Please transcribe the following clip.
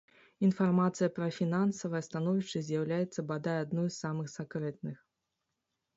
Інфармацыя пра фінансавае становішча з'яўляецца, бадай, адной з самых сакрэтных.